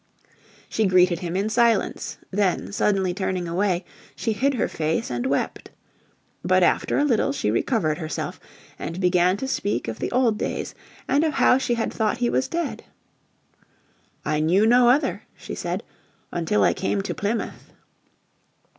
She greeted him in silence, then suddenly turning away she hid her face and wept. But after a little she recovered herself, and began to speak of the old days, and of how she had thought he was dead. "I knew no other," she said, "until I came to Plymouth."